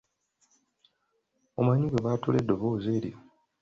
Omanyi bwe baatula eddoboozi eryo?